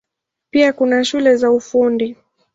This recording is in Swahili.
Pia kuna shule za Ufundi.